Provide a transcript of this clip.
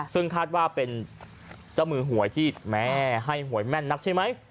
ซึ่งคาดว่าเป็นเจ้ามือหวยที่แม่ให้หวยแม่นนักใช่ไหม